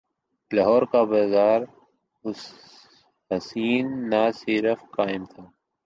لاہور کا بازار حسن نہ صرف قائم تھا۔